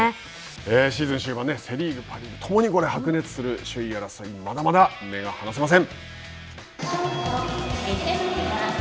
シーズン終盤セ・リーグ、パ・リーグともに白熱する首位争いまだまだ目が離せません。